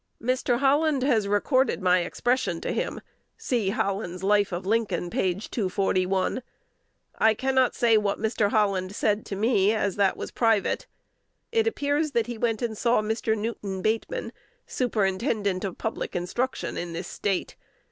Mr. Holland has recorded my expression to him (see Holland's "Life of Lincoln," p. 241). I cannot say what Mr. Holland said to me, as that was private. It appears that he went and saw Mr. Newton Bateman, Superintendent of Public Instruction in this State.